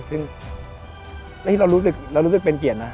ซึ่งเรารู้สึกเป็นเกียรตินะ